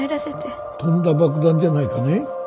とんだ爆弾じゃないかね？